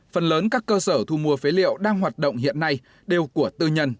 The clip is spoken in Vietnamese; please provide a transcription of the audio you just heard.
phần lớn các cơ sở thu mua phế liệu đang hoạt động hiện nay đều của tư nhân